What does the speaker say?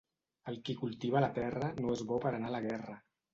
El qui cultiva la terra no és bo per anar a la guerra.